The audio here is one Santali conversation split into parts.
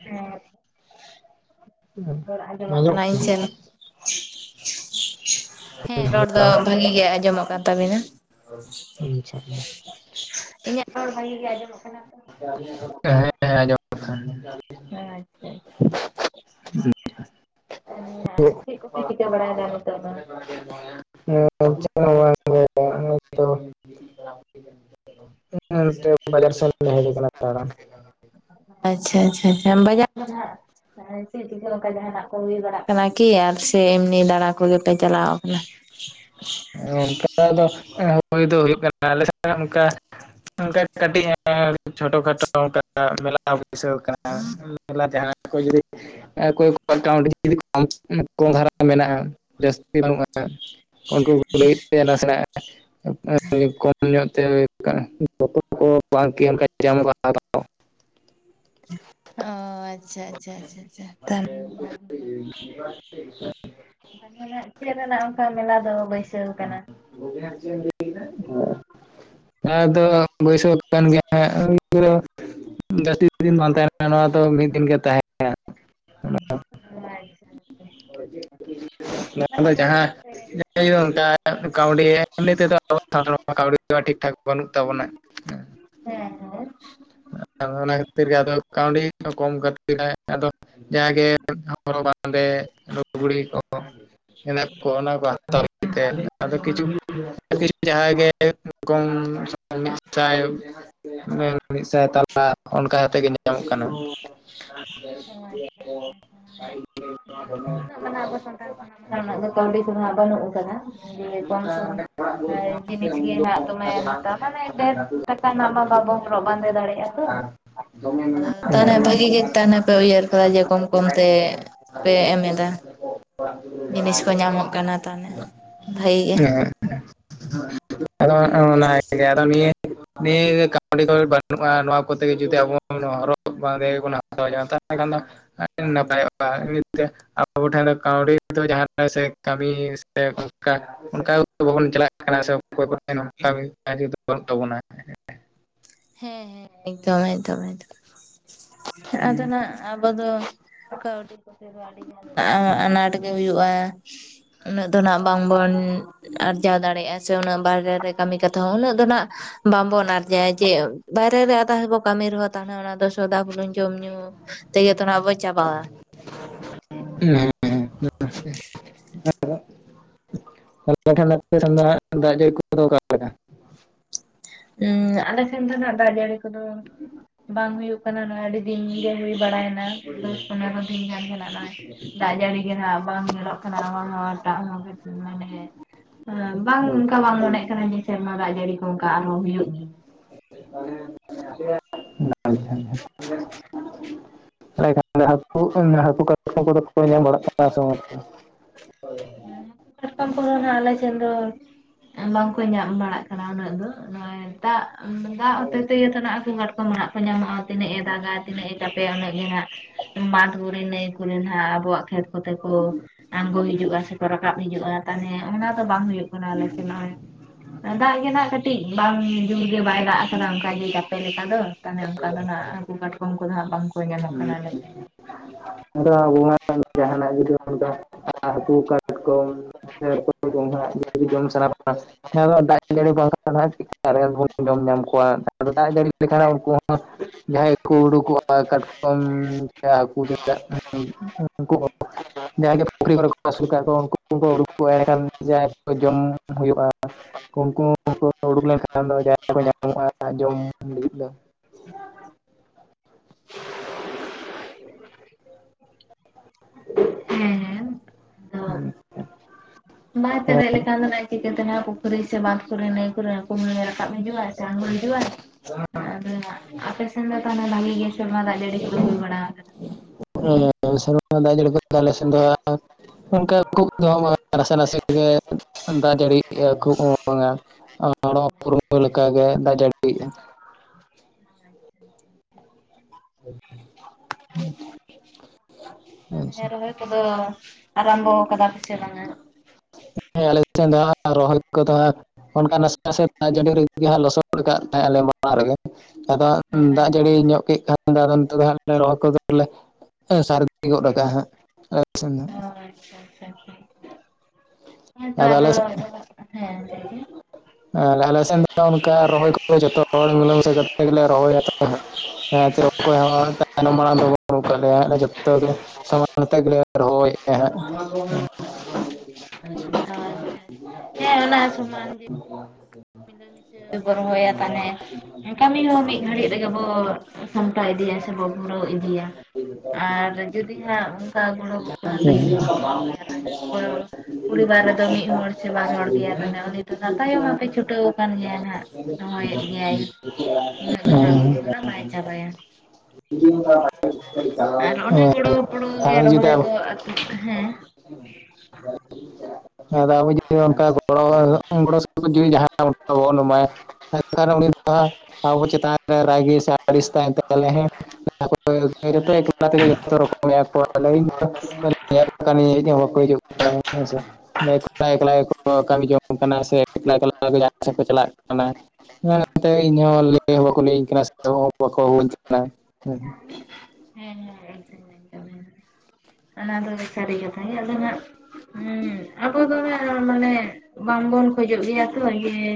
ᱦᱮᱸ ᱨᱚᱲ [inaudible] ᱟᱸᱡᱚᱢᱚᱜ ᱤᱧ ᱠᱟᱱᱟ ᱥᱮᱱ ᱾ ᱦᱮᱸ ᱨᱚᱲ ᱫᱚ ᱦᱟᱞᱟᱝ ᱵᱷᱟᱹᱜᱤ ᱜᱮ ᱟᱸᱡᱚᱢᱚᱜ ᱠᱟᱱ ᱛᱟᱵᱤᱱᱟ᱾ ᱟᱪᱪᱷᱟ ᱦᱮᱸ [inaudible] ᱤᱧᱟᱹᱜ ᱨᱚᱲ ᱵᱷᱟᱹᱜᱤ ᱜᱮ ᱟᱸᱡᱚᱢᱚᱜ ᱠᱟᱱᱟ? ᱛᱚ [unintelligible] ᱦᱮᱸ ᱦᱮᱸ ᱟᱸᱡᱚᱢᱚᱜ ᱠᱟᱱᱟ ᱾ ᱦᱮᱸ ᱟᱪᱪᱷᱟ᱾ [inaudible] [inaudible] ᱮ ᱟᱨ ᱪᱮᱫ ᱠᱚ ᱯᱮ ᱪᱤᱠᱟᱹ ᱵᱟᱲᱟᱭ ᱮᱫᱟ ᱱᱤᱛᱚᱫ ᱫᱚ? [unintelligible] [unintelligible] [unintelligible] [inaudible] ᱦᱮᱸ ᱱᱚᱛᱮ ᱵᱟᱡᱟᱨ ᱥᱮᱱ ᱞᱮ ᱦᱮᱡ ᱟᱠᱟᱱᱟ ᱫᱟᱲᱟᱱ ᱾ ᱟᱪᱪᱷᱟ, ᱟᱪᱪᱷᱟ, ᱟᱪᱪᱷᱟ, ᱵᱟᱡᱟᱨ ᱫᱚ ᱱᱟᱜ ᱪᱮᱫ ᱪᱤᱠᱟᱹ ᱡᱟᱦᱟᱱᱟᱜ ᱠᱚ ᱦᱩᱭ ᱵᱟᱲᱟᱜ ᱠᱟᱱᱟ ᱠᱤ ᱟᱨ ᱥᱮ ᱮᱢᱱᱤ ᱫᱟᱬᱟ ᱠᱚᱯᱮ ᱪᱟᱞᱟᱣ ᱠᱟᱱᱟ? ᱚᱱᱠᱟ ᱫᱚ ᱦᱳᱭ ᱫᱚ ᱦᱳᱭᱳᱜ ᱠᱟᱱᱟ, ᱟᱞᱮ ᱥᱮ ᱚᱱᱠᱟ ᱚᱱᱠᱟ ᱠᱟᱹᱴᱤᱡ ᱪᱷᱳᱴᱳ ᱠᱷᱟᱴᱳ ᱚᱱᱠᱟ ᱢᱮᱞᱟ ᱵᱟᱹᱭᱥᱟᱹᱣ ᱟᱠᱟᱱᱟ᱾ [unintelligible] ᱢᱮᱞᱟ ᱠᱚ ᱡᱩᱫᱤ ᱚᱠᱚᱭ ᱠᱚ ᱠᱟᱹᱣᱰᱤ [unintelligible] ᱠᱚᱢ [unintelligible] ᱫᱷᱟᱨᱟ ᱢᱮᱱᱟᱜᱼᱟ, ᱡᱟᱹᱥᱛᱤ ᱵᱟᱹᱱᱩᱜᱼᱟ᱾ ᱩᱱᱠᱩ ᱠᱚ ᱞᱟᱹᱜᱤᱫ ᱛᱮ ᱱᱟᱥᱮᱱᱟᱜ ᱠᱚᱢ ᱧᱚᱜ ᱛᱮ ᱡᱚᱛᱚ ᱠᱚ ᱵᱟᱝ [unintelligible] ᱚ ᱟᱪᱪᱷᱟ ᱟᱪᱪᱷᱟ ᱟᱪᱪᱷᱟ ᱟᱪᱪᱷᱟ, ᱛᱟᱦᱞᱮ ᱵᱷᱟᱹᱜᱤ ᱜᱮ᱾ [unintelligible] ᱪᱮᱫ ᱨᱮᱱᱟᱜ ᱚᱱᱠᱟ ᱢᱮᱞᱟ ᱫᱚ ᱵᱟᱹᱭᱥᱟᱹᱣ ᱠᱟᱱᱟ? [unintelligible] ᱦᱮᱸ᱾ ᱡᱟᱦᱟᱸ ᱫᱚ ᱵᱟᱹᱭᱥᱟᱹᱠᱷ ᱠᱟᱱ ᱜᱮᱭᱟ [unintelligible] ᱡᱟᱹᱥᱛᱤ ᱫᱤᱱ ᱫᱚ ᱵᱟᱝ ᱛᱟᱦᱮᱱᱟ, ᱱᱚᱣᱟ ᱫᱚ ᱢᱤᱫ ᱫᱤᱱ ᱜᱮ ᱛᱟᱦᱮᱱᱟ᱾ ᱟᱪᱪᱷᱟ, ᱟᱪᱪᱷᱟ᱾ ᱢᱟᱱᱮ ᱠᱚᱢ ᱡᱟᱦᱟᱸ ᱥᱚᱢ ᱛᱮ ᱦᱮᱸ ᱚᱱᱠᱟ ᱠᱟᱹᱣᱰᱤ ᱮᱢ ᱛᱮᱫᱚ ᱟ ᱥᱟᱱᱛᱟᱲ ᱠᱟᱹᱣᱰᱤ ᱴᱷᱤᱠ ᱴᱷᱟᱠ ᱵᱟᱹᱱᱩᱜ ᱛᱟᱵᱚᱱᱟ᱾ ᱦᱮᱸ, ᱦᱮᱸ᱾ ᱚᱱᱟ ᱠᱷᱟᱹᱛᱤᱨ ᱜᱮᱫᱚ ᱠᱟᱹᱣᱰᱤ ᱠᱚᱢ ᱠᱷᱛ ᱟᱫᱚ ᱡᱟᱜᱮ ᱚᱸᱰᱮ ᱞᱩᱜᱽᱲᱤ ᱠᱚ ᱠᱚ ᱚᱱᱟ ᱠᱚ ᱦᱟᱛᱟᱣ ᱞᱟᱹᱜᱤᱫ ᱛᱮ ᱟᱫᱚ ᱠᱤᱪᱷᱩ ᱠᱤᱪᱷ ᱡᱟᱦᱟᱸᱭ ᱜᱮ ᱠᱚᱢ [unintelligible] ᱢᱤᱫ ᱥᱟᱭ ᱛᱟᱞᱟ ᱚᱱᱠᱟ ᱠᱟᱛᱮᱫ ᱜᱮ ᱧᱟᱢᱚᱜ ᱠᱟᱱᱟ᱾ ᱚ ᱟᱪᱪᱷᱟ ᱟᱪᱪᱷᱟ ᱟᱪᱪᱷᱟ, ᱢᱟᱱᱮ ᱩᱱᱟᱹᱜ ᱢᱟᱱᱮ ᱟᱵᱚ ᱥᱟᱱᱛᱟᱲ ᱠᱷᱚᱱᱟᱜ ᱢᱟ ᱩᱱᱟᱜ ᱠᱟᱹᱣᱰᱤ ᱠᱚᱦᱟᱜ ᱵᱟᱹᱱᱩᱜ ᱟᱠᱟᱫᱟ, ᱫᱤᱭᱮ ᱠᱚᱢ ᱥᱚᱢᱚᱭ ᱟᱨ ᱡᱤᱱᱤᱥ ᱜᱮ ᱱᱟᱜ ᱫᱚᱢᱮ ᱦᱟᱛᱟᱣᱟ, ᱢᱟᱱᱮ ᱰᱷᱮᱨ ᱴᱟᱠᱟᱱᱟᱜ ᱢᱟ ᱵᱟᱵᱽ ᱨᱚᱜ ᱵᱟᱸᱫᱮ ᱫᱟᱲᱮᱭᱟᱜᱼᱟ, ᱛᱚ᱾ [unintelligible] ᱟᱫᱚ ᱛᱟᱱᱮ ᱵᱷᱟᱹᱜᱤ ᱜᱮ ᱢᱮᱱᱟᱜᱼᱟ ᱪᱟᱱ ᱯᱮ ᱩᱭᱦᱟᱹᱨ ᱟᱠᱟᱫᱟ ᱡᱮ ᱠᱚᱢ ᱠᱚᱢ ᱛᱮ ᱯᱮ ᱮᱢ ᱮᱫᱟ᱾ ᱡᱤᱱᱤᱥ ᱠᱚ ᱧᱟᱢᱚᱜ ᱠᱟᱱᱟ ᱛᱟᱦᱚᱞᱮ, ᱵᱷᱟᱹᱜᱤ ᱜᱮ᱾ [unintelligible] ᱟᱫᱚ ᱚᱱᱟ ᱤᱭᱟᱹ ᱜᱮ [unintelligible] ᱱᱤᱭᱟᱹ ᱠᱟᱹᱣᱰᱤ ᱠᱚ ᱵᱟᱹᱱᱩᱜᱼᱟ ᱱᱚᱣᱟ ᱠᱚᱛᱮ ᱡᱩᱫᱤ ᱟᱵᱚ ᱦᱚᱨᱚᱜ ᱵᱟᱸᱫᱮ ᱵᱚᱱᱟ ᱛᱟᱦᱞᱮ ᱠᱷᱚᱱ ᱫᱚ ᱱᱟᱯᱟᱭᱚᱜᱼᱟ, ᱤᱛᱮ ᱟᱵᱚ ᱠᱚ ᱴᱷᱮᱱ ᱫᱚ ᱠᱟᱹᱣᱰᱤ ᱫᱚ ᱡᱟᱦᱟᱸ ᱥᱮ ᱠᱟᱹᱢᱤ ᱥᱮ ᱚᱱᱠᱟ ᱚᱱᱠᱟ ᱵᱟᱵᱚᱱ ᱪᱟᱞᱟᱜ ᱠᱟᱱᱟ ᱥᱮ ᱚᱠᱚᱭ ᱴᱷᱮᱱ ᱚᱱᱠᱟ ᱫᱚ ᱵᱟᱹᱱᱩᱜ ᱛᱟᱵᱚᱱᱟ᱾ ᱦᱮᱸ ᱦᱮᱸ ᱮᱠᱫᱚᱢ ᱮᱠᱫᱚᱢ ᱮᱠᱫᱚᱢ, ᱟᱫᱚᱱᱟᱜ ᱟᱵᱚ ᱫᱚ ᱠᱟᱹᱣᱰᱤ ᱠᱚᱛᱮ ᱫᱚ ᱟᱱᱟᱴ ᱜᱮ ᱦᱩᱭᱩᱜᱼᱟ, ᱩᱱᱟᱹᱜ ᱫᱚ ᱱᱟᱜ ᱵᱟᱝ ᱵᱚᱱ ᱟᱨᱡᱟᱣ ᱫᱟᱲᱮᱭᱟᱜᱼᱟ ᱥᱮ ᱩᱱᱟᱹᱜ ᱵᱟᱦᱨᱮ ᱨᱮ ᱠᱟᱹᱢᱤ ᱠᱟᱛᱷᱟ ᱦᱚᱸ ᱩᱱᱟᱹᱜ ᱫᱚ ᱟᱸᱜ ᱵᱟᱝ ᱵᱚᱱ ᱟᱨᱡᱟᱭᱟ᱾ ᱡᱮ ᱵᱟᱭᱨᱮ ᱨᱮ ᱟᱫᱽᱵᱚ ᱠᱟᱹᱢᱤ ᱨᱮᱦᱚᱸ ᱛᱟᱦᱮᱸ ᱚᱱᱟ ᱫᱚ ᱥᱫᱟ ᱵᱩᱞᱩᱝ ᱡᱚᱢ ᱧᱩ ᱛᱮᱜᱮᱛᱚᱱᱟ ᱵᱚ ᱪᱟᱵᱟᱭᱟ᱾ ᱦᱤ, ᱦᱩ᱾ [unintelligible] ᱫᱟᱜ ᱡᱟᱹᱲᱤ ᱠᱚ ᱫᱚ ᱚᱠᱟ ᱞᱮᱠᱟ? ᱦᱩᱺ ᱟᱞᱮ ᱴᱷᱮᱱ ᱫᱚ ᱱᱟᱜ ᱫᱟᱜ ᱡᱟᱹᱲᱤ ᱠᱚᱫᱚ ᱵᱟᱝ ᱦᱩᱭᱩᱜ ᱠᱟᱱᱟ᱾ ᱱᱚᱣᱟ ᱟᱹᱰᱤ ᱫᱤᱱ ᱜᱮ ᱦᱩᱭ ᱵᱟᱲᱟ ᱮᱱᱟ᱾ ᱫᱟᱥ-ᱯᱚᱱᱨᱚ [unintelligible] ᱫᱟᱜᱽ ᱫᱟᱭ ᱫᱟᱜᱽ ᱡᱟᱹᱲᱤ ᱜᱮ ᱱᱟᱦᱟᱸᱜ ᱵᱟᱝ ᱧᱮᱞᱚᱜ ᱠᱟᱱᱟ ᱦᱚᱸ ᱴᱟᱜ ᱦᱚᱸ [unintelligible] ᱢᱟᱱᱮ ᱵᱟᱝ ᱚᱱᱠᱟ ᱵᱟᱝ ᱢᱚᱱᱮᱜ ᱠᱟᱱᱟ ᱡᱮ ᱥᱮᱨᱢᱟ ᱫᱟᱜᱽ ᱡᱟᱹᱲᱤ ᱠᱚ ᱚᱱᱠᱟ ᱟᱨᱦᱚᱸ ᱦᱩᱭᱩᱜ ᱜᱮᱭᱟ᱾ [unintelligible] ᱦᱮᱸ ᱠᱷᱟᱱ ᱦᱟᱹᱠᱩ ᱦᱟᱹᱠᱩ ᱠᱟᱴᱠᱚᱢ ᱠᱚᱫᱚ ᱠᱚ ᱧᱟᱢ ᱵᱟᱲᱟᱜ ᱠᱟᱱᱟ ᱥᱮ ᱵᱟᱝ? ᱦᱮᱸ ᱦᱟᱹᱠᱩ ᱠᱟᱴᱠᱚᱢ ᱠᱚᱫᱚ ᱱᱟᱦᱟᱸᱜ ᱟᱞᱮ ᱥᱮᱜ ᱫᱚ ᱟᱨ ᱵᱟᱝᱠᱚ ᱧᱟᱢ ᱵᱟᱲᱟᱜ ᱠᱟᱱᱟ ᱩᱱᱟᱹᱜ ᱫᱚ ᱱᱚᱜᱼᱚᱭ ᱫᱟᱜᱽ ᱫᱟᱜᱽ ᱦᱚᱸᱛᱮ ᱛᱮᱜᱮ ᱛᱚ ᱱᱟᱦᱟᱸᱜ ᱦᱟᱹᱠᱚ ᱠᱟᱴᱠᱚᱢ ᱱᱟᱦᱟᱸᱜ ᱠᱚ ᱧᱟᱢᱚᱜᱼᱟ ᱛᱤᱱᱟᱹᱜ ᱮ ᱫᱟᱜᱟ ᱛᱤᱱᱟᱹᱜ ᱮ [unintelligible] ᱩᱱᱟᱹᱜ ᱜᱮ ᱱᱟᱦᱟᱸᱜ ᱢᱟᱴ ᱵᱟᱸᱫᱽ ᱢᱮ ᱱᱟᱹᱭ ᱠᱚᱨᱮ ᱱᱟᱦᱟᱸᱜ ᱟᱵᱚᱣᱟᱜ ᱠᱷᱮᱛ ᱠᱚᱛᱮ ᱠᱚ ᱟᱬᱜᱚ ᱦᱤᱡᱩᱜᱼᱟ ᱥᱮᱠᱚ ᱨᱟᱠᱟᱵ ᱦᱤᱡᱩᱜᱼᱟ᱾ ᱛᱟᱱᱮ ᱚᱱᱟ ᱫᱚ ᱵᱟᱝ ᱦᱩᱭᱩᱜ ᱠᱟᱱᱟ ᱟᱞᱮ ᱥᱮᱜ ᱱᱚᱜᱼᱚᱭ ᱮᱸ ᱫᱟᱜᱽ ᱜᱮ ᱱᱟᱜ ᱠᱟᱹᱴᱤᱜ ᱵᱟᱝ ᱡᱚᱨ ᱜᱮ ᱵᱟᱭ ᱫᱟᱜᱽ ᱠᱟᱫᱟ ᱚᱝᱠᱟᱜ ᱜᱮ ᱪᱟᱯᱮ ᱞᱮᱠᱟ ᱫᱚ ᱛᱟᱦᱚᱞᱮ ᱚᱝᱠᱟ ᱫᱚ ᱱᱟᱦᱟᱸᱜ ᱦᱟᱹᱠᱚ ᱠᱟᱴᱠᱚᱢ ᱠᱚᱫᱚ ᱦᱟᱸᱜ ᱵᱟᱝ ᱠᱚ ᱧᱟᱢᱚᱜ ᱠᱟᱱᱟ ᱟᱞᱮ ᱥᱮᱜ ᱫᱚ᱾ ᱟᱫᱚ ᱟᱵᱚ ᱢᱟ ᱡᱟᱦᱟᱸᱱᱟᱜ ᱡᱩᱫᱤᱵᱚᱱ [unintelligible] ᱦᱟᱹᱠᱩ ᱠᱟᱴᱠᱚᱢ ᱥᱮ ᱩᱛᱩᱠᱚ ᱚᱝᱠᱟᱱᱟᱜ ᱡᱚᱛᱚᱜᱮ ᱡᱚᱢ ᱥᱟᱱᱟ ᱵᱩᱱᱟ᱾ ᱦᱮᱸ ᱟᱫᱚ ᱫᱟᱜᱽ ᱡᱟᱹᱲᱤ ᱵᱟᱝᱠᱷᱟᱱ [unintelligible] ᱵᱚᱱ ᱡᱚᱢ ᱧᱟᱢ ᱠᱚᱣᱟ ᱟᱫᱚ ᱫᱟᱜᱽ ᱡᱟᱹᱲᱤ ᱞᱮᱠᱷᱟᱱ ᱩᱱᱠᱩ ᱦᱚ‍ᱸ [unintelligible] ᱡᱟᱦᱟᱸᱭ ᱠᱚ ᱩᱰᱩᱠᱚᱜᱼᱟ᱾ [unintelligible] ᱠᱟᱴᱠᱚᱢ ᱥᱮ ᱦᱟᱹᱠᱩ ᱪᱮᱫᱟᱜ ᱩᱱᱠᱩ ᱦᱚᱸ ᱡᱟᱦᱟᱸᱜᱮ ᱯᱩᱠᱷᱨᱤ ᱠᱚᱨᱮ ᱠᱚ ᱟᱹᱥᱩᱞᱠᱟᱜ ᱠᱚ ᱩᱱᱠᱩ ᱩᱰᱩᱠᱚᱜᱼᱟ ᱮᱸᱰᱮᱠᱷᱟᱱ ᱡᱟᱦᱟᱸᱭ ᱠᱚ ᱡᱚᱢ ᱦᱩᱭᱩᱜᱼᱟ᱾ ᱩᱱᱠᱩ ᱦᱚᱸᱠᱚ ᱩᱰᱩᱠ ᱞᱮᱱᱠᱷᱟᱱ ᱫᱚ ᱡᱟᱜᱮ ᱠᱚ ᱧᱟᱢᱚᱜᱼᱟ ᱡᱚᱢ ᱞᱟᱹᱜᱤᱫ ᱫᱚ᱾ ᱦᱮᱸ ᱟᱫᱚ [unintelligible] ᱵᱟᱭ ᱯᱮᱨᱮᱜ ᱞᱮᱠᱷᱟᱱ ᱫᱚ ᱱᱟᱹᱭ ᱪᱤᱠᱟᱹᱛᱮ ᱱᱟᱦᱟᱸᱜ ᱯᱩᱠᱷᱨᱤ ᱥᱮ ᱵᱟᱸᱫᱽ ᱠᱚᱨᱮ ᱱᱟᱹᱭ ᱠᱚᱨᱮ ᱦᱟᱹᱠᱩᱢ ᱨᱟᱠᱟᱵ ᱦᱤᱡᱩᱜᱼᱟ ᱥᱮ ᱟᱸᱜᱚᱲ ᱦᱤᱡᱩᱜᱼᱟ᱾ ᱟᱫᱚ ᱦᱟᱸᱜ ᱟᱯᱮᱥᱮᱱ ᱫᱚ ᱛᱟᱦᱚᱞᱮ ᱵᱷᱟᱹᱜᱤ ᱜᱮ ᱥᱮᱨᱢᱟ ᱫᱟᱜᱽ ᱡᱟᱹᱲᱤ ᱠᱚᱫᱚ ᱦᱩᱭ ᱠᱟᱱᱟ? ᱦᱮᱸ ᱥᱮᱨᱢᱟ ᱫᱟᱜᱽ ᱡᱟᱹᱲᱤ ᱠᱚᱫᱚ ᱟᱞᱮ ᱥᱮᱱ ᱫᱚ ᱚᱱᱠᱟ [unintelligible] ᱱᱟᱥᱮ ᱱᱟᱥᱮ ᱜᱮ ᱫᱟᱜᱽ ᱡᱟᱹᱲᱤᱭᱮᱜᱼᱟ ᱠᱩᱵ ᱦᱚᱸ ᱵᱟᱝᱟ᱾ ᱦᱚᱲ ᱩᱯᱨᱩᱢ ᱠᱚ ᱞᱮᱠᱟᱜᱮ ᱫᱟᱜᱽ ᱡᱟᱹᱲᱤᱭᱮᱜᱼᱟ᱾ ᱦᱩᱸ ᱛᱟᱦᱚᱞᱮ ᱟᱪᱪᱷᱟ, ᱨᱚᱦᱚᱭ ᱠᱚᱫᱚ ᱟᱨᱟᱢᱵᱚ ᱠᱟᱫᱟ ᱯᱮᱥᱮ ᱵᱟᱝ? ᱦᱮᱸ ᱟᱞᱮ ᱱᱚᱛᱮ ᱫᱚ ᱦᱟᱸᱜ ᱨᱚᱦᱚᱭ ᱠᱚᱫᱚ ᱦᱟᱸᱜ ᱚᱱᱠᱟ ᱱᱟᱥᱮ ᱱᱟᱥᱮ ᱫᱟᱜᱽ ᱡᱟᱹᱲᱤ ᱨᱮᱜᱮ ᱱᱟᱦᱟᱸᱜ ᱞᱚᱥᱚᱫ ᱠᱟᱜ ᱛᱟᱦᱮᱸᱜ ᱟᱞᱮ ᱢᱟᱲᱟᱝ ᱨᱮᱜᱮ᱾ ᱟᱫᱚ ᱦᱮᱸ ᱫᱟᱜᱽ ᱟᱪᱪᱷᱟ ᱡᱟᱹᱲᱤ ᱟᱪᱪᱷᱟ ᱧᱚᱜ ᱠᱮᱜ ᱠᱷᱟᱭ [unintelligible] ᱛᱮᱫᱚ ᱨᱚᱦᱚᱭ ᱠᱚᱫᱚᱞᱮ ᱥᱟᱨᱫᱤ ᱜᱚᱫ ᱠᱟᱜᱼᱟ ᱦᱟᱸᱜ ᱟᱞᱮᱥᱮᱱ ᱫᱚ᱾ ᱚ ᱟᱪᱪᱷᱟ ᱟᱪᱪᱷᱟ ᱟᱪᱪᱷᱟ ᱫᱚ ᱦᱮᱸᱛᱚ ᱟᱫᱚ ᱟᱞᱮ ᱥᱮᱫ ᱨᱚᱦᱚᱭ [unintelligible] ᱦᱮᱸ [unintelligible] ᱦᱮᱸ ᱟᱞᱮ ᱥᱮᱱ ᱫᱚ ᱚᱱᱠᱟ ᱨᱚᱦᱚᱭ ᱠᱚᱫᱚ ᱡᱚᱛᱚ ᱦᱚᱲ ᱢᱤᱞᱮ ᱢᱮᱥᱮ ᱠᱟᱛᱮᱜ ᱜᱮᱞᱮ ᱨᱚᱦᱚᱭᱟ ᱛᱚ᱾ ᱦᱮᱸ ᱚᱠᱚᱭ ᱦᱚᱸ ᱛᱟᱭᱱᱚᱢ ᱵᱟᱲᱟ ᱫᱚ ᱵᱟᱱᱩᱜ ᱠᱟᱜ ᱞᱮᱭᱟ ᱟᱞᱮ ᱡᱚᱛᱚ ᱜᱮ ᱥᱚᱢᱟᱱ ᱠᱟᱛᱮᱜ ᱜᱮᱞᱮ ᱨᱚᱦᱚᱭᱮᱜᱼᱟ ᱦᱟᱸᱜ᱾ ᱟᱪᱪᱷᱟ ᱟᱪᱪᱷᱟ ᱦᱮᱸ ᱚᱱᱟ ᱥᱚᱢᱟᱱ ᱜᱮ ᱢᱤᱞᱟᱹᱢᱮᱥᱟ ᱠᱚ ᱨᱚᱦᱚᱭᱟ ᱛᱟᱦᱚᱞᱮ᱾ ᱦᱮᱸ ᱠᱟᱹᱢᱤ ᱦᱚᱸ ᱢᱤᱜ ᱜᱷᱟᱹᱲᱤᱜ ᱨᱮᱜᱮ ᱵᱚ ᱥᱟᱢᱴᱟᱣ ᱤᱫᱤᱭᱟ ᱥᱮᱵᱚ ᱯᱩᱨᱟᱹᱣ ᱤᱫᱤᱭᱟ᱾ ᱟᱨ ᱡᱩᱫᱤ ᱦᱟᱸᱜ ᱚᱱᱠᱟ ᱜᱚᱲᱚ ᱜᱚᱯᱚᱲᱚ ᱛᱮ ᱡᱩᱫᱤ ᱵᱟᱠᱚ ᱨᱚᱦᱚᱭᱟ ᱛᱟᱦᱟ ᱦᱚᱲ ᱯᱚᱨᱤᱵᱟᱨ ᱨᱮᱫᱚ ᱢᱤᱜ ᱦᱚᱲ ᱥᱮ ᱵᱟᱨ ᱦᱚᱲ ᱜᱮᱭᱟ ᱛᱟᱦᱮ ᱩᱱᱤ ᱫᱚ ᱛᱟᱭᱚᱢ ᱢᱟ ᱠᱤᱪᱷᱩ [unintelligible] ᱠᱟᱱ ᱜᱮᱭᱟᱭ ᱦᱟᱸᱜ ᱨᱚᱦᱚᱭᱮᱜ ᱜᱮᱭᱟᱭ ᱩᱱᱟᱹᱜ ᱫᱚ ᱦᱟᱸᱜ ᱞᱚᱜᱚᱱ ᱫᱷᱟᱨᱟ ᱵᱟᱭ ᱪᱟᱵᱟᱭᱟ᱾ ᱟᱨ ᱚᱱᱮ ᱜᱚᱲᱚ ᱜᱚᱯᱚᱲᱚ ᱜᱮ ᱡᱩᱫᱤ ᱨᱚᱦᱚᱭ ᱟᱫᱚ ᱫᱚ ᱟᱹᱛᱩ ᱦᱮᱸ, ᱠᱷᱟᱭ ᱟᱫᱚ ᱟᱵᱚ ᱡᱩᱫᱤ ᱚᱱᱠᱟ ᱜᱚᱲᱚ ᱜᱚᱲᱚ ᱜᱚᱲᱚᱥᱚᱯᱦᱚᱫ ᱦᱚᱸ ᱡᱩᱫᱤ ᱡᱟᱦᱟᱸ ᱚᱝᱠᱟ ᱵᱟᱵᱚᱱ ᱮᱢᱟᱭᱟ᱾ [unintelligible] ᱩᱱᱤ ᱫᱚ ᱟᱵᱚ ᱪᱮᱛᱟᱱ ᱨᱮ ᱨᱟᱜᱤ ᱥᱮ ᱟᱲᱤᱥ ᱛᱟᱦᱮᱸᱱ ᱛᱟᱭᱟ ᱦᱮᱸ ᱛᱚ᱾ [unintelligible] ᱡᱚᱛᱚ ᱨᱚᱠᱚᱢ ᱠᱚ ᱠᱟᱹᱢᱤ ᱦᱮᱜ ᱦᱚᱸ ᱵᱟᱠᱚ ᱦᱤᱡᱩᱜ᱾ [unintelligible] ᱮᱠᱞᱟ ᱮᱠᱞᱟ ᱜᱮᱠᱚ ᱠᱟᱹᱢᱤ ᱡᱚᱝ ᱠᱟᱱᱟ ᱥᱮ ᱮᱠᱞᱟᱮᱠᱞᱟ ᱡᱟᱦᱟᱸ ᱥᱮᱫ ᱠᱚ ᱪᱟᱞᱟᱜ ᱠᱟᱱᱟ᱾ ᱦᱮᱸ ᱱᱛᱮ ᱤᱧᱦᱚ ᱞᱟᱹᱭ ᱦᱚᱸ ᱵᱟᱠᱚ ᱞᱟᱹᱭᱟᱹᱧ ᱠᱟᱱᱟ ᱥᱮ ᱵᱟᱠᱚ ᱦᱚᱧ ᱠᱟᱱᱟ᱾ ᱦᱮᱸ ᱦᱮᱸ᱾ [unintelligible] ᱚᱱᱟ ᱫᱚ ᱥᱟᱹᱨᱤ ᱠᱟᱛᱷᱟ ᱜᱮ ᱟᱫᱚ ᱦᱟᱜ ᱦᱮᱸ ᱟᱵᱚ ᱫᱚ ᱢᱟᱱᱮ ᱵᱟᱵᱚᱱ ᱠᱷᱚᱡᱚᱜ ᱜᱮᱭᱟ ᱛᱚ ᱤᱭᱟᱹ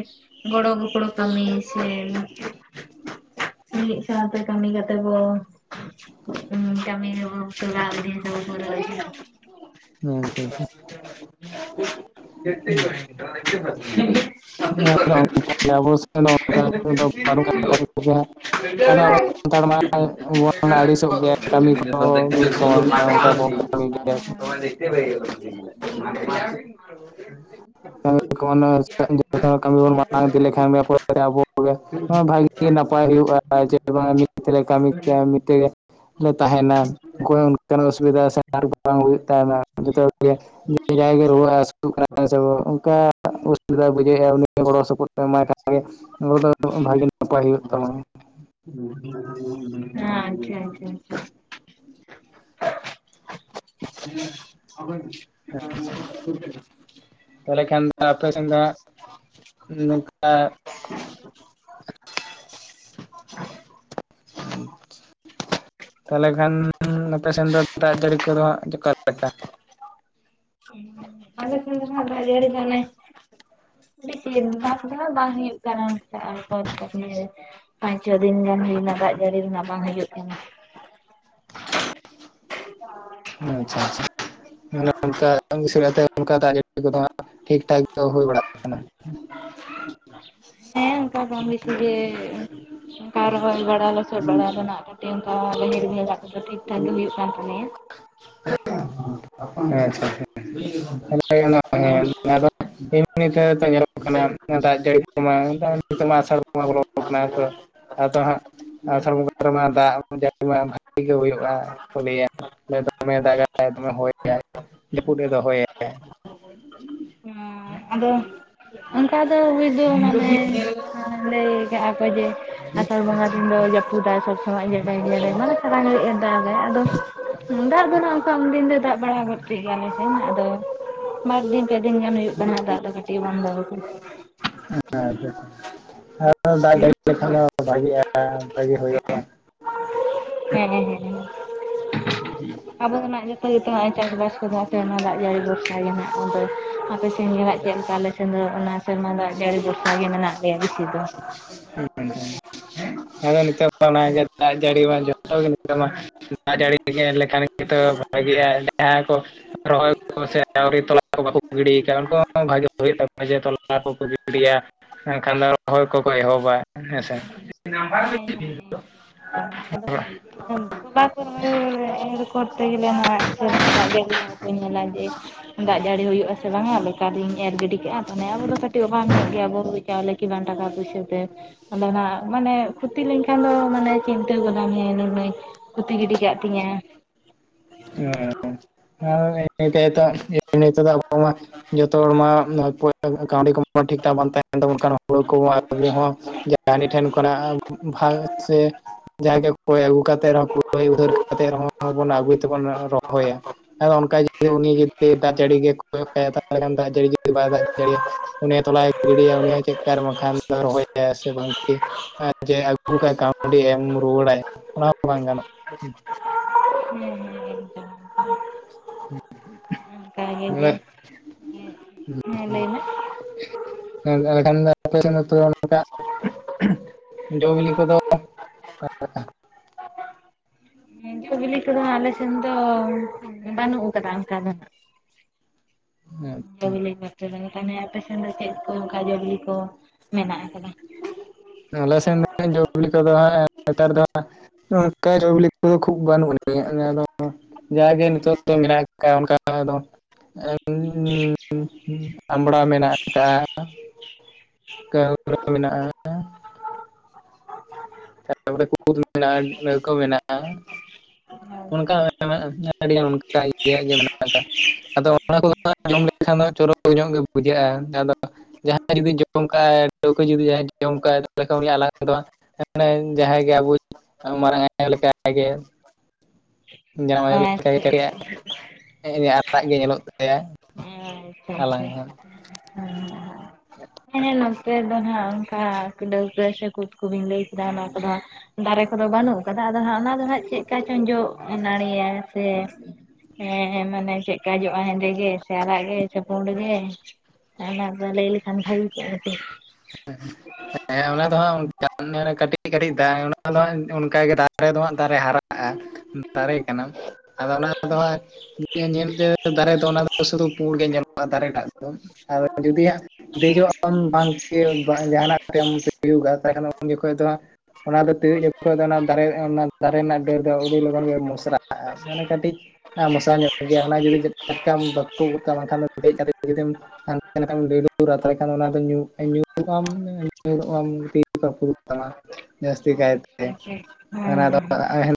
ᱜᱚᱲᱚ ᱜᱚᱯᱚᱲᱚ ᱠᱟᱹᱢᱤ ᱥᱮ ᱢᱤᱫ ᱥᱟᱶᱛᱮ ᱠᱟᱹᱢᱤ ᱠᱟᱛᱮ ᱵᱚ [unintelligible] ᱟᱪᱪᱷᱟ ᱟᱪᱪᱷᱟ [unintelligible] ᱦᱮᱸ ᱟᱫᱚ ᱚᱱᱠᱟ ᱟᱵᱚ ᱥᱮᱱ ᱫᱚ ᱚᱱᱠᱟ [unintelligible] [unintelligible] ᱤᱫᱤᱭᱟ ᱟᱫᱚ ᱟᱵᱚ ᱥᱟᱱᱛᱟᱲ ᱢᱟᱵᱚᱱ ᱟᱹᱲᱤᱥᱚᱜ ᱜᱮᱭᱟ ᱠᱟᱹᱢᱤ ᱠᱚ ᱢᱤᱫ ᱥᱚᱢᱚᱭ ᱵᱟᱝ [unintelligible] [unintelligible] [unintelligible] ᱵᱷᱟᱜᱤ ᱱᱟᱯᱟᱭ ᱦᱩᱭᱩᱜᱼᱟ ᱡᱮ ᱵᱟᱝ ᱢᱤᱫ ᱛᱮᱞᱮ ᱠᱟᱹᱢᱤ ᱠᱮᱼᱟ ᱢᱤᱫ ᱛᱮ᱾ ᱞᱮ ᱛᱟᱦᱮᱱᱟ ᱩᱱᱠᱩ ᱦᱚᱸ ᱚᱱᱠᱟᱱᱟᱜ ᱚᱥᱩᱵᱤᱫᱟ ᱥᱮ [unintelligible] [unintelligible] ᱜᱚᱫ ᱮᱢᱟᱭ ᱠᱷᱟᱡ ᱜᱮ ᱱᱚᱰᱮ ᱫᱚ ᱵᱷᱟᱜᱮ ᱱᱟᱯᱟᱭ ᱦᱳᱭᱳᱜ ᱛᱟᱢᱟ᱾ [unintelligible] ᱦᱮᱸ ᱟᱪᱪᱷᱟ ᱟᱪᱪᱷᱟ ᱟᱪᱪᱷᱟ ᱾ [unintelligible] ᱛᱟᱞᱦᱮ ᱠᱷᱟᱱ ᱫᱚ ᱟᱯᱮ ᱥᱮᱱ ᱫᱚ ᱦᱟᱸᱜ ᱱᱩᱝᱠᱟ ᱛᱟᱞᱦᱮ ᱠᱷᱟᱱ ᱟᱯᱮ ᱥᱮᱱ ᱫᱚᱯ ᱫᱟᱜ ᱡᱟᱹᱲᱤ ᱠᱚᱫᱚ ᱦᱟᱸᱜ ᱡᱚᱠᱟᱨ ᱞᱮᱠᱟ? ᱟᱞᱮ ᱥᱮᱱ ᱫᱚ ᱦᱟᱸᱜ ᱫᱟᱜ ᱡᱟᱹᱲᱤ ᱫᱚ ᱚᱱᱮ ᱵᱤᱥᱤᱨ ᱵᱷᱟᱠ ᱫᱚ ᱵᱟᱝ ᱦᱩᱭᱩᱜ ᱠᱟᱱᱟ᱾ [unintelligible] ᱯᱟᱸᱪ ᱪᱷᱚ ᱫᱤᱱ ᱜᱟᱱ ᱦᱩᱭᱱᱟ ᱫᱟᱜ ᱡᱟᱹᱲᱤ ᱨᱮᱱᱟᱜ ᱵᱟᱝ ᱦᱤᱡᱩᱜ ᱠᱟᱱᱟ᱾ [inaudible] [unintelligible] ᱦᱮᱸ ᱟᱪᱪᱷᱟ ᱟᱪᱪᱷᱟ᱾ ᱢᱟᱱᱮ ᱩᱝᱠᱟ ᱟᱛᱮ ᱩᱱᱠᱟ ᱫᱟᱜ ᱡᱟᱹᱲᱤ ᱠᱚᱫᱚ ᱦᱟᱸᱜ ᱴᱷᱤᱠ ᱴᱷᱟᱠ ᱫᱚ ᱦᱳ ᱵᱟᱲᱟᱜ ᱠᱟᱱᱟ᱾ [inaudible] ᱦᱮᱸ ᱚᱝᱠᱟ ᱠᱚᱢ ᱵᱤᱥᱤ ᱜᱮ᱾ ᱚᱱᱠᱟ ᱨᱚᱦᱚᱭ ᱵᱟᱲᱟ ᱞᱚᱥᱚᱫ ᱵᱟᱲᱟ ᱫᱚ ᱱᱟᱜ ᱠᱟᱹᱴᱤᱡ ᱩᱱᱠᱟ ᱵᱟᱹᱧ ᱨᱤᱢᱤᱞ ᱟᱜ ᱫᱚ ᱴᱷᱤᱠ ᱴᱷᱟᱠ ᱜᱮ ᱦᱩᱭᱩᱜ ᱠᱟᱱ᱾ ᱛᱟᱞᱮᱭᱟ ᱦᱮᱸ ᱟᱪᱪᱷᱟ [unintelligible] [unintelligible] ᱛᱚ ᱢᱟᱝ ᱵᱟᱝ ᱦᱤᱛᱚᱜ ᱢᱟ ᱟᱥᱟᱲ ᱵᱚᱸᱜᱟ ᱵᱚᱞ ᱠᱟᱱᱟ ᱛᱚ ᱟᱫᱚ ᱦᱟᱸᱜ ᱟᱥᱟᱲ ᱵᱚᱸᱜᱟ ᱨᱮᱱᱟᱜ ᱫᱟᱜ ᱡᱟᱹᱲᱤ ᱢᱟ ᱵᱷᱟᱜᱤ ᱜᱮ ᱦᱳᱭᱳᱜᱼᱟ ᱠᱚ ᱞᱟᱹᱭᱟ᱾ ᱱᱮᱫᱟᱨ ᱢᱚ ᱫᱟᱜ ᱜᱟᱭ ᱫᱚᱢᱮ ᱟᱭ ᱡᱟᱹᱯᱩᱜ ᱫᱚᱦᱚ᱾ [inaudible] ᱟ ᱸ ᱟᱫᱚ ᱚᱱᱠᱟ ᱫᱚ ᱦᱩᱭ ᱫᱚ ᱢᱟᱱᱮ ᱞᱟᱹᱭ ᱠᱟᱜᱼᱟ ᱠᱚ ᱡᱮ ᱟᱥᱟᱲ ᱵᱚᱸᱜᱟ ᱫᱤᱱ ᱫᱚ ᱡᱟᱹᱯᱩᱫᱟᱭ ᱥᱚᱵ ᱥᱚᱢᱚᱭ ᱡᱮᱰᱮᱢ ᱡᱮᱰᱮᱢ ᱢᱟᱱᱮ ᱥᱟᱨᱟ ᱜᱷᱟᱨᱤᱡ ᱮᱚ ᱫᱟᱜ ᱜᱟᱭ ᱟᱫᱚ ᱫᱟᱜ ᱫᱚ ᱚᱱᱠᱟ ᱩᱱᱫᱤᱱ ᱫᱚ ᱫᱟᱜ ᱵᱟᱲᱟ ᱜᱚᱫ ᱠᱮᱫᱜᱮ ᱟᱞᱮ ᱥᱮᱱ ᱟᱫᱚ ᱾ ᱵᱟᱨ ᱫᱤᱱ ᱯᱮ ᱫᱤᱱ ᱜᱟᱱ ᱦᱩᱭᱩᱜ ᱠᱟᱱᱟ ᱫᱟᱜ ᱫᱚ ᱠᱟᱹᱴᱤᱡ ᱵᱚᱱᱫᱚ ᱠᱟᱱᱟ ᱾ ᱟᱪᱪᱷᱟ ᱟᱫᱚ [inaudible] ᱫᱟᱜ ᱡᱟᱹᱲᱤ ᱞᱮᱠᱷᱟᱱ ᱫᱚ ᱵᱷᱟᱜᱤᱜᱼᱟ ᱵᱷᱟᱜᱤ ᱦᱩᱭᱩᱜ ᱾ [inaudible] ᱦᱮᱸᱦᱮᱸ ᱦᱮᱸᱦᱮᱸ ᱟᱵᱚ ᱫᱚᱱᱟᱜ ᱡᱷᱚᱛᱚ ᱜᱮᱛᱚ ᱦᱚᱜᱼᱚᱭ ᱪᱟᱥᱵᱟᱥ ᱠᱚᱫᱚ ᱥᱮᱨᱢᱟ ᱫᱟᱜ ᱡᱟᱹᱲᱤ ᱵᱷᱚᱨᱥᱟ ᱜᱮ ᱦᱟᱸᱜ, ᱟᱫᱚ ᱟᱯᱮ ᱥᱮᱱ ᱜᱮ ᱱᱟᱜ ᱪᱮᱜ ᱞᱮᱠᱟ‌ ᱟᱞᱮ? ᱥᱮᱱ ᱫᱚ ᱚᱱᱟ ᱥᱮᱨᱢᱟ ᱫᱟᱜ ᱡᱟᱹᱲᱤ ᱵᱷᱚᱨᱥᱟ ᱜᱮ ᱢᱮᱱᱟᱜ ᱞᱮᱭᱟ ᱵᱤᱥᱤ ᱫᱚ ᱾ ᱦᱩᱸ [inaudible] ᱟᱫᱚ ᱱᱤᱛᱚᱜ [inaudible] ᱢᱟ ᱚᱱᱟ ᱜᱮ ᱫᱟᱜ ᱡᱟᱹᱲᱤ ᱢᱟ ᱡᱷᱚᱛᱚ ᱜᱮ ᱱᱤᱛᱚ ᱢᱟ, ᱫᱟᱜ ᱡᱟᱹᱲᱤ ᱞᱮᱠᱷᱟᱱ ᱜᱮᱛᱚ ᱵᱷᱟᱜᱮᱜᱼᱟ ᱡᱟᱦᱟᱸ ᱠᱚ, ᱨᱚᱦᱚᱭ ᱠᱚ ᱥᱮ ᱟᱹᱣᱨᱤ ᱛᱚᱞᱟ ᱠᱚ ᱵᱟᱠᱚ ᱜᱤᱰᱤᱭ ᱠᱟᱜ ᱩᱱᱠᱩ ᱦᱚᱸ ᱵᱷᱟᱜᱮ ᱦᱳᱭᱳᱜ ᱛᱟᱠᱚᱣᱟ ᱡᱮ ᱛᱚᱞᱟ ᱠᱚᱠᱚ ᱜᱤᱰᱤᱭᱟ ᱾ ᱮᱱᱠᱷᱟᱱ ᱫᱚ ᱨᱚᱦᱚᱭ ᱠᱚᱠᱚ ᱮᱦᱚᱵᱟ ᱦᱮᱸᱥᱮ, ᱦᱮᱸ ᱦᱮᱸ ᱟᱫᱚ ᱛᱩᱞᱟ ᱨᱚᱦᱚᱭ ᱨᱮ, ᱮᱨ ᱠᱚᱨᱛᱮ ᱜᱮᱞᱮ ᱱᱚᱣᱟ ᱥᱮᱨᱢᱟ ᱫᱟᱜ ᱡᱟᱹᱲᱤ ᱚᱱᱟᱠᱚ ᱧᱮᱞᱟᱭ ᱡᱮ ᱫᱟᱜ ᱡᱟᱹᱲᱤ ᱦᱩᱭᱩᱜ ᱟᱥᱮ ᱵᱟᱝᱼᱟ ᱵᱮᱠᱟᱨᱤᱧ ᱮᱨ ᱜᱤᱰᱤ ᱠᱟᱜᱼᱟ, ᱛᱟᱱᱮ ᱟᱵᱚ ᱫᱚ ᱠᱟᱹᱴᱤᱡ ᱚᱵᱟᱝ ᱧᱚᱜ ᱜᱮᱭᱟ ᱵᱚᱱ ᱦᱩᱲᱩ ᱪᱟᱣᱞᱮ ᱠᱤᱱᱟᱱ ᱴᱟᱠᱟ ᱯᱩᱭᱥᱟᱹ ᱛᱮ, ᱟᱫᱚᱱᱟᱜ ᱢᱟᱱᱮ ᱠᱷᱩᱛᱤ ᱞᱮᱱᱠᱷᱟᱱ ᱫᱚ ᱢᱟᱱᱮ ᱪᱤᱱᱛᱟᱹ ᱜᱚᱫᱟᱢ ᱦᱮᱸ ᱱᱩᱱᱟᱹᱜ ᱠᱷᱩᱛᱤ ᱜᱤᱰᱤ ᱠᱟᱜ ᱛᱤᱧᱟᱹ ᱾ ᱦᱮ [inaudible] ᱤᱱᱟᱹ ᱛᱮ ᱫᱚ ᱟᱵᱚ ᱢᱟ ᱡᱚᱛᱚ ᱦᱚᱲ ᱢᱟ ᱠᱟᱹᱣᱰᱤ ᱠᱚᱢ ᱴᱷᱤᱠ ᱴᱷᱟᱠ ᱵᱟᱝ ᱛᱟᱦᱮᱸᱱ ᱛᱟᱵᱚᱱ ᱠᱟᱱᱟ ᱦᱳᱲᱳ ᱠᱚ ᱟᱵᱚ ᱦᱚᱸ ᱜᱮᱞ ᱨᱟᱱᱤ ᱴᱷᱮᱱ ᱠᱷᱚᱱᱟᱜ ᱵᱷᱚᱭᱮᱫ ᱥᱮ ᱡᱟᱜᱮ ᱠᱚᱭ ᱟᱜᱩ ᱠᱟᱛᱮᱫ ᱨᱮᱦ ᱩᱫᱷᱟᱹᱨ ᱠᱟᱛᱮᱫ ᱨᱮᱦᱚᱸᱵᱚᱱ ᱟᱹᱜᱩᱭ ᱛᱮᱵᱚᱱ ᱨᱚᱦᱚᱭᱟ ᱾ ᱟᱨ ᱚᱱᱠᱟ ᱩᱱᱤ ᱡᱩᱫᱤ ᱫᱟᱜ ᱡᱟᱹᱲᱤ ᱜᱮ ᱠᱚᱭᱚᱜ ᱠᱟᱭᱟ ᱛᱟᱞᱦᱮ ᱠᱷᱟᱱ ᱫᱟᱜ ᱡᱟᱹᱲᱤ ᱡᱩᱫᱤ ᱵᱟᱭ ᱫᱟᱜ ᱡᱟᱹᱲᱤᱭᱟ ᱾ ᱚᱱᱮ ᱛᱚᱞᱟᱭ ᱜᱤᱰᱤ ᱛᱟᱭ [inaudible] ᱩᱱᱤ ᱦᱚᱸ ᱪᱮᱜ ᱠᱟᱨᱮ ᱵᱟᱠᱷᱟᱱ ᱨᱚᱦᱚᱭᱟ ᱥᱮ ᱵᱟᱝ ᱠᱤ ᱾ ᱮᱸ ᱡᱮ ᱟᱹᱜᱩ ᱠᱟᱜᱼᱟᱭ ᱠᱟᱹᱣᱰᱤ ᱮᱢ ᱨᱩᱣᱟᱹᱲᱟᱭ, ᱚᱱᱟ ᱦᱚᱸ ᱵᱟᱝ ᱜᱟᱱᱚᱜ ᱾ ᱦᱮᱸ ᱦᱮᱸ ᱮᱠᱫᱚᱢ ᱚᱱᱠᱟᱜᱮ, ᱦᱮᱸ ᱞᱟᱹᱭ ᱢᱮ? [inaudible] ᱡᱚ ᱵᱤᱞᱤ ᱠᱚᱫᱚ ᱚᱠᱟ ᱞᱮᱠᱟ? ᱦᱮᱸ ᱡᱚ ᱵᱤᱞᱤ ᱠᱚ ᱟᱫᱚ ᱟᱞᱮ ᱥᱮᱱ ᱫᱚ ᱚᱱᱠᱟ ᱵᱟᱹᱱᱩᱜ ᱠᱟᱫᱟ ᱚᱱᱠᱟ ᱫᱚ, [unintelligible] ᱟᱪᱪᱷᱟ ᱟᱫᱚ ᱪᱮᱫ ᱠᱚ ᱚᱱᱠᱟ ᱡᱚᱵᱤᱞᱤ ᱠᱚ ᱢᱮᱱᱟᱜ ᱟᱠᱟᱫᱟ? ᱟᱞᱮ ᱥᱮᱱ ᱫᱚ ᱡᱚᱵᱤᱞᱤ ᱠᱚᱫᱚ ᱦᱟᱸᱜ ᱱᱮᱛᱟᱨ ᱫᱚ ᱠᱟ [inaudible] ᱠᱷᱩᱵ ᱵᱟᱹᱱᱩᱜ ᱟᱹᱱ ᱡᱟᱜᱮ ᱱᱤᱛᱚᱜ ᱫᱚ [inaudible] ᱢᱮᱱᱟᱜ ᱟᱠᱟᱫ ᱚᱱᱠᱟ ᱫᱚ [inaudible] ᱟᱢᱲᱟ ᱢᱮᱱᱟᱜ ᱟᱠᱟᱜᱼᱟ᱾ [inaudible] ᱠᱟᱹᱢᱤ ᱢᱮᱱᱟᱜᱼᱟ ᱛᱟᱨᱯᱚᱨ [inaudible] ᱠᱩᱫ ᱢᱮᱱᱟᱜᱼᱟ ᱱᱟᱹᱣᱠᱟᱹ ᱢᱮᱱᱟᱜᱼᱟ ᱟᱪᱪᱷᱟ ᱟᱪᱪᱷᱟ ᱚᱱᱠᱟ [inaudible] ᱟᱹᱰᱤᱜᱟᱱ ᱚᱱᱠᱟ ᱤᱭᱟ ᱜᱮ ᱢᱮᱱᱟᱜ ᱟᱠᱟᱟᱜ ᱟᱫᱚ ᱚᱱᱟ ᱠᱚ ᱡᱚᱢ ᱞᱮᱠᱷᱟᱱ ᱫᱚ ᱪᱚᱨᱚᱠ ᱧᱚᱜ ᱜᱮ ᱵᱩᱡᱷᱟᱹᱜᱼᱟ ᱟᱫᱚ ᱡᱟᱦᱟᱸᱭ ᱡᱩᱫᱤ ᱡᱚᱢ ᱠᱟ ᱴᱟᱹᱣᱠᱟᱹ [inaudible] ᱡᱩᱫᱤ ᱡᱟᱦᱟᱸ ᱡᱚᱢ ᱠᱟ ᱛᱟᱦᱚᱞᱮ ᱠᱷᱟᱱ ᱩᱱᱤᱭᱟᱜ ᱟᱞᱟᱫᱟ ᱫᱚ [inaudible] ᱢᱟᱱᱮ ᱡᱟᱦᱟᱸᱭ ᱜᱮ ᱟᱵᱚ [inaudible] ᱢᱟᱨᱟᱝ ᱟᱭᱳ ᱞᱮᱠᱟ ᱜᱮ ᱡᱟᱱᱟᱢ ᱟᱭᱳ ᱞᱮᱠᱟ ᱟᱪᱪᱷᱟ [inaudible] ᱟᱨᱟᱜ ᱜᱮ ᱧᱮᱞᱚᱜ ᱛᱟᱭᱟ ᱦᱮᱸ ᱦᱮᱸ ᱦᱮᱸ, ᱦᱮᱸ ᱦᱮᱸ ᱦᱮᱸ ᱜᱚᱜ ᱾ ᱦᱮᱸ ᱱᱚᱛᱮ ᱫᱚ ᱱᱟᱜ ᱚᱱᱠᱟ ᱰᱟᱹᱣᱠᱟᱹ ᱥᱮ ᱠᱩᱫ ᱠᱚᱵᱮᱱ ᱞᱟᱹᱭ ᱠᱮᱫᱟ ᱚᱱᱟ ᱠᱚᱫᱚ ᱦᱟᱸᱜ ᱫᱟᱨᱮ ᱠᱚᱫᱚ ᱵᱟᱹᱱᱩᱜ ᱠᱟᱫᱟ ᱟᱫᱚ ᱦᱟᱸᱜ ᱚᱱᱟ ᱫᱚ ᱦᱟᱸᱜ ᱪᱮᱜᱠᱟ ᱪᱚᱝ ᱡᱚᱜ ᱱᱟᱹᱲᱤᱭᱟ ᱥᱮ ᱦᱮᱸ ᱦᱮᱸ, ᱢᱟᱱᱮ ᱪᱮᱜᱠᱟ ᱡᱚᱜᱼᱟ ᱦᱮᱸᱫᱮ ᱜᱮ ᱥᱮ ᱟᱨᱟᱜ ᱜᱮ ᱥᱮ ᱯᱩᱸᱰ ᱜᱮ? ᱚᱱᱟ ᱠᱚ ᱞᱟᱹᱭ ᱞᱮᱠᱷᱟᱱ ᱵᱷᱟᱜᱮ ᱠᱚᱜ-ᱟ ᱠᱟᱹᱴᱤᱡ? ᱴᱮᱸᱭᱚᱜ ᱾ ᱦᱮ ᱚᱱᱟ ᱫᱚ ᱦᱟᱸᱜ ᱚᱱᱠᱟᱜᱮ ᱠᱟᱹᱴᱤᱡ ᱠᱟᱹᱴᱤᱡ ᱫᱟᱨᱮ ᱫᱚ ᱦᱟᱸᱜ ᱫᱟᱨᱮ ᱦᱟᱨᱟᱜᱼᱟ ᱾ ᱫᱟᱨᱮᱹ ᱠᱟᱱᱟ ᱥ-ᱩ-ᱡ, ᱟᱫᱚ ᱚᱱᱟ ᱠᱚᱫᱚ ᱦᱟᱸᱜ ᱧᱮᱞ- ᱧᱮᱞᱛᱮ ᱫᱟᱨᱮ ᱫᱚ ᱚᱱᱟ ᱫᱚ ᱥᱩᱫᱩ ᱯᱩᱸᱲ ᱜᱮ ᱧᱮᱞᱚᱜᱼᱟ ᱫᱟᱨᱮ ᱴᱟᱜ ᱫᱚ ᱾ ᱟᱨ ᱡᱩᱫᱤᱭᱟᱜ ᱫᱮᱡᱚᱜ ᱟᱢ ᱵᱟᱢ ᱛᱤᱭᱩᱜ ᱡᱟᱦᱟᱱᱟᱜ ᱛᱮᱢ ᱛᱤᱭᱩᱜᱟ ᱛᱟᱦᱞᱮ ᱠᱷᱟᱱ ᱩᱱ ᱡᱚᱠᱷᱚᱡ ᱫᱚ ᱦᱟᱹᱜ ᱚᱱᱟ ᱫᱚ ᱛᱤᱭᱩᱜ ᱚᱠᱛᱚ ᱫᱚ ᱚᱱᱟ ᱫᱟᱨᱮ ᱚᱱᱟ ᱫᱟᱨᱮ ᱨᱮᱱᱟᱜ ᱰᱟᱹᱨ ᱫᱚ ᱟᱹᱰᱤ ᱞᱚᱜᱚᱱ ᱜᱮ ᱢᱚᱥᱨᱟᱜᱼᱟ᱾ ᱟᱨ ᱚᱱᱟ ᱠᱟᱹᱴᱤᱡ ᱮᱸ ᱢᱚᱥᱨᱟ ᱧᱚᱜ ᱜᱮᱭᱟ ᱚᱱᱟ ᱡᱩᱫᱤ ᱴᱟᱴᱠᱟᱢ ᱵᱟᱹᱠᱩᱵ ᱜᱚᱫ ᱠᱟᱜᱼᱟ ᱵᱟᱝᱠᱷᱟᱱ ᱫᱮᱡ ᱠᱟᱛᱮ ᱡᱩᱫᱤᱢ ᱠᱷᱟᱱ ᱮᱱᱠᱷᱟᱱ ᱰᱟᱹᱨᱮᱢ ᱟᱹᱛᱷᱟᱹᱲᱤᱡ ᱞᱮᱠᱷᱟᱱ ᱚᱱᱟ ᱫᱚ ᱯᱩᱨᱟᱹ ᱧᱩ ᱧᱩᱨᱩᱜ ᱟᱢ ᱧᱩᱨᱩᱜ ᱟᱢ ᱛᱤ ᱠᱚ ᱨᱟᱹᱯᱩ ᱫᱚᱜ ᱛᱟᱢᱟ ᱡᱟᱥᱛᱤ ᱠᱟᱭᱛᱮ ᱷᱩᱸᱦ-ᱴᱚᱜ ᱾ ᱚᱱᱟ ᱫᱚ ᱯᱟᱲᱦᱟᱜ ᱮᱜ ᱮᱢ?